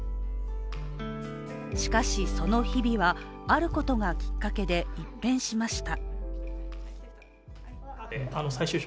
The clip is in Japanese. しかし、その日々はあることがきっかけで一変しました。